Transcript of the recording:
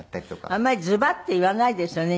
あんまりズバッと言わないですよね